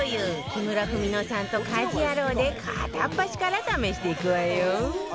木村文乃さんと家事ヤロウで片っ端から試していくわよ